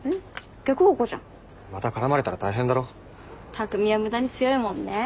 匠は無駄に強いもんね。